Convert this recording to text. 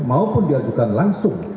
maupun diajukan langsung